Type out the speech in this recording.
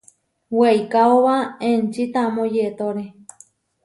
Weikaóba enči tamó yetóre.